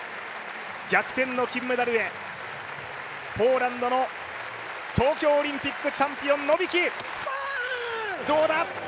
逆転の金メダルへ、ポーランドの東京オリンピックチャンピオン、ノビキ、どうだ？